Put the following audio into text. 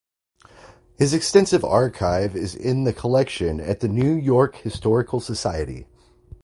His extensive archive is in the collection at the New-York Historical Society.